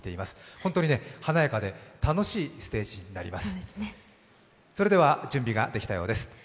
本当に華やかで楽しいステージになります。